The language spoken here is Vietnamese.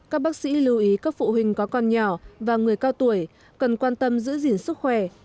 các bác sĩ lưu ý các phụ huynh có con nhỏ và người cao tuổi cần quan tâm giữ gìn sức khỏe